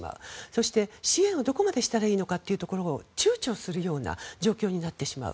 そして、支援をどこまでしたらいいのかというところを躊躇するような状況になってしまう。